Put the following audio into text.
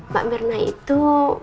mbak mirna itu